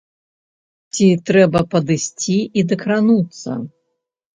Ці трэба падысці і дакрануцца.